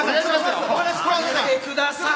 やめてください！